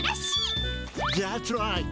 ザッツライト！